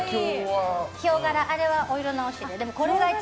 ヒョウ柄のあれはお色直し。